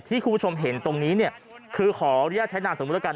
คุณผู้ชมเห็นตรงนี้เนี่ยคือขออนุญาตใช้นามสมมุติแล้วกัน